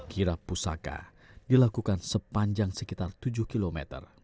kira pusaka dilakukan sepanjang sekitar tujuh km